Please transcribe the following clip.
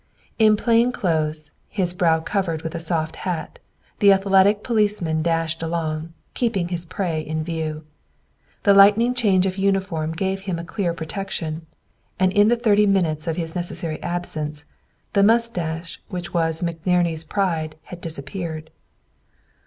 In plain clothes, his brow covered with a soft hat, the athletic policeman dashed along, keeping his prey in view. The lightning change of uniform gave him a clear protection, and in the thirty minutes of his necessary absence, the mustache which was McNerney's pride had disappeared.